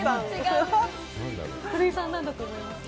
古井さん、何だと思いますか？